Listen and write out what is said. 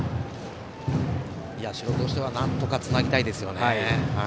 社としてはなんとかつなぎたいですよね。